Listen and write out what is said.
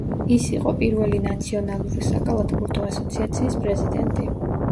ის იყო პირველი ნაციონალური საკალათბურთო ასოციაციის პრეზიდენტი.